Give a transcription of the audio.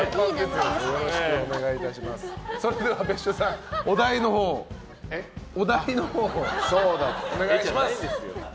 それでは別所さんお題のほうをお願いします。